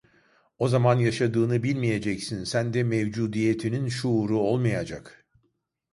O zaman yaşadığını bilmeyeceksin, sende mevcudiyetinin şuuru olmayacak…